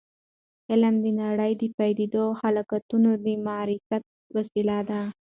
علم د ټولې نړۍ د پدیدو او خلقتونو د معرفت وسیله ده.